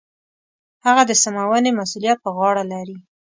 هغه د سمونې مسوولیت په غاړه لري.